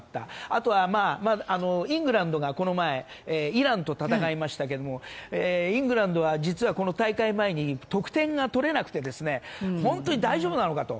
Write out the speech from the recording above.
あとはイングランドがこの前、イランと戦いましたがイングランドは実はこの大会前に得点が取れなくて本当に大丈夫なのかと。